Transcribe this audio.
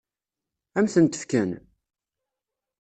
Ad m-tent-fken?